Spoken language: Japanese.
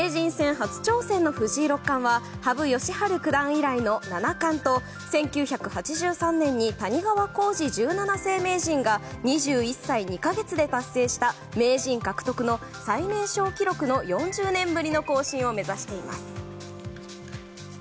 初挑戦の藤井六冠は羽生善治九段以来の七冠と１９８３年に谷川浩司十七世名人が２１歳２か月で達成した名人獲得の最年少記録の４０年ぶりの更新を目指しています。